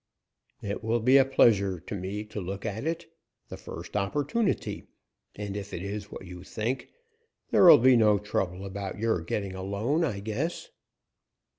"It will be a pleasure to me to look at it, the first opportunity, and if it is what you think, there will be no trouble about your getting a loan, I guess."